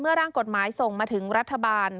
ร่างกฎหมายส่งมาถึงรัฐบาล